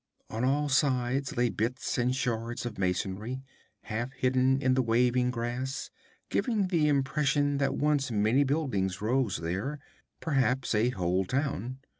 On all sides lay bits and shards of masonry, half hidden in the waving grass, giving the impression that once many buildings rose there, perhaps a whole town.